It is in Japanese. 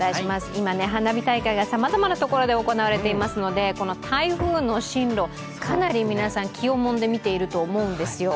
今ね、花火大会がさまざまなところで行われていますのでこの台風の進路、かなり皆さん気をもんで見てると思うんですよ。